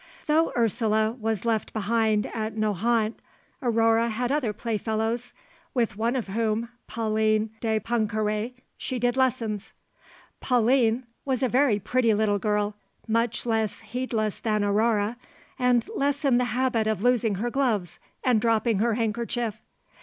Though Ursule was left behind at Nohant, Aurore had other playfellows, with one of whom, Pauline de Pontcarré, she did lessons. Pauline was a very pretty little girl, much less heedless than Aurore, and less in the habit of losing her gloves and dropping her handkerchief.